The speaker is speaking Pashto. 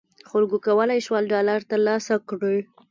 خلکو کولای شول ډالر تر لاسه کړي.